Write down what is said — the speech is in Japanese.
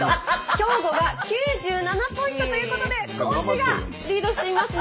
兵庫が９７ポイントということで高知がリードしていますね。